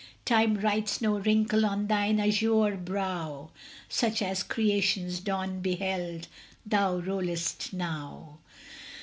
Time writes no wrinkle on thine azure brow; Such as creation's dawn beheld, thou rollest now.